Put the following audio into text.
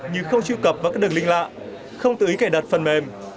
như không trụ cập vào các đường linh lạ không tự ý cài đặt phần mềm